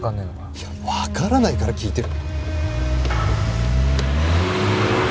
いやわからないから聞いてる。